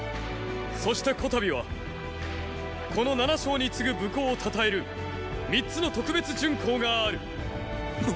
そして此度はこの七将に次ぐ武功をたたえる三つの“特別準功”がある。